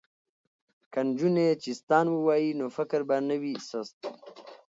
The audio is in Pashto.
که نجونې چیستان ووايي نو فکر به نه وي سست.